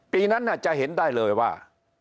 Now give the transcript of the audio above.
ปีนั้นจะเห็นได้เลยว่า